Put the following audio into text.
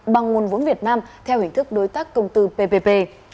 bằng nguồn vốn việt nam theo hình thức đối tác công tư ppp